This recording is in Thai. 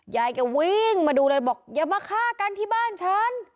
ยายแกวิ่งมาดูเลยบอกอย่ามาฆ่ากันที่บ้านฉัน